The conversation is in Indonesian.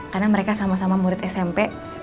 karena mereka sama sama murid smp